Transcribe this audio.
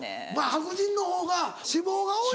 白人の方が脂肪が多い？